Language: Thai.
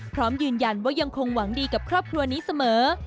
พร้อมยืนยันว่ายังคงหวังดีกับครอบครัวนี้เสมอ